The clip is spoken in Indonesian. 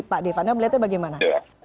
pak devanda melihatnya bagaimana